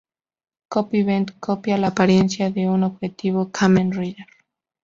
Copy Vent: Copia la apariencia de un objetivo Kamen Rider.